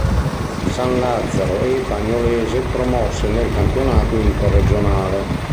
San Lazzaro e Bagnolese promosse nel Campionato Interregionale